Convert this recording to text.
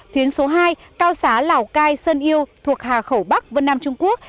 tuyến số hai cao xá lào cai sơn yêu thuộc hà khẩu bắc vân nam trung quốc